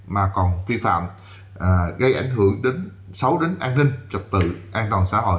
mà còn phi phạm gây ảnh hưởng đến xấu đến an ninh trật tự an toàn xã hội